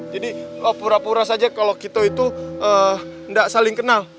jadi lo pura pura saja kalau kita itu enggak saling kenal